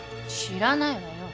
知らないわよ。